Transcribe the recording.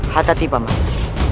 hatta tipa mahasiswa